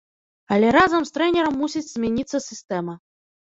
Але разам з трэнерам мусіць змяніцца сістэма.